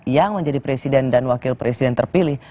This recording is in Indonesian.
yang menjadi presiden dan wakil presiden terpilih